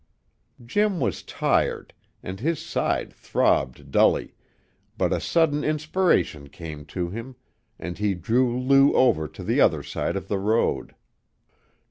Jim was tired, and his side throbbed dully, but a sudden inspiration came to him, and he drew Lou over to the other side of the road.